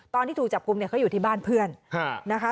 ตอนที่ถูกจับกลุ่มเนี่ยเขาอยู่ที่บ้านเพื่อนนะคะ